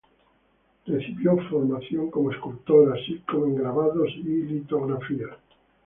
Recibió formación como escultor, así como en grabados y litografías.